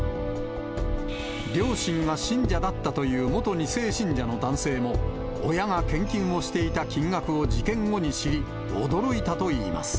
両親が信者だったという元２世信者の男性も、親が献金をしていた金額を事件後に知り、驚いたといいます。